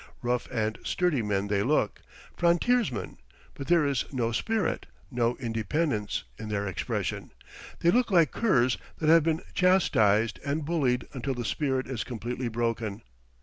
Rough and sturdy men they look frontiersmen; but there is no spirit, no independence, in their expression; they look like curs that have been chastised and bullied until the spirit is completely broken.